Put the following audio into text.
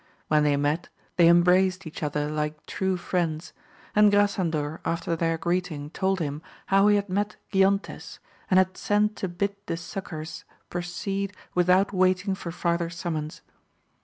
When they met they embraced each other like true friends, and Grasandor after their greeting told him how he had met Giontes, and had sent to bid the succours proceed without waiting for farther summons.